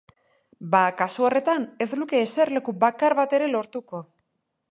Ba kasu horretan, ez luke eserleku bakar bat ere lortuko.